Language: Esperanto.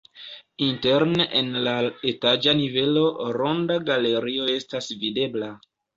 Interne en la etaĝa nivelo ronda galerio estas videbla.